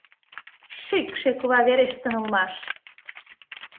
Шӱкшӧ кува верештын улмаш!..